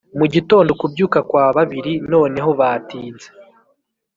mugitondo kubyuka kwa babiri noneho batinze